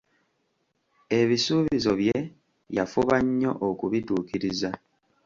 Ebisuubizo bye yafuba nnyo okubituukiriza.